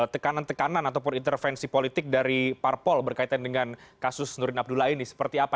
tekanan tekanan ataupun intervensi politik dari parpol berkaitan dengan kasus nurdin abdullah ini seperti apa